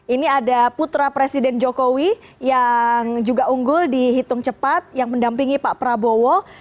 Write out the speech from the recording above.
ini ada putra presiden jokowi yang juga unggul dihitung cepat yang mendampingi pak prabowo